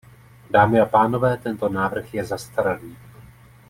Dámy a pánové, tento návrh je zastaralý.